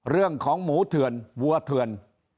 เรื่องของหมูเถื่อนวัวเถื่อน